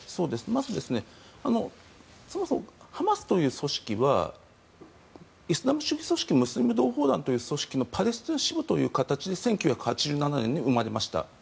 まず、そもそもハマスという組織はイスラム主義組織ムスリム同胞団という組織のパレスチナ支部という形で１９８７年に生まれました。